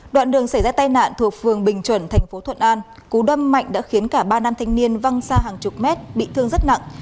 đoạn đường xảy ra tai nạn thuộc phường bình chuẩn thành phố thuận an cú đâm mạnh đã khiến cả ba nam thanh niên văng xa hàng chục mét bị thương rất nặng